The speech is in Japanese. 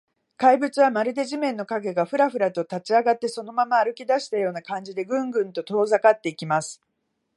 怪物は、まるで地面の影が、フラフラと立ちあがって、そのまま歩きだしたような感じで、グングンと遠ざかっていきます。